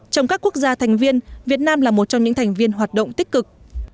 trong các quốc gia thành viên việt nam là một trong những thành viên hoạt động tích cực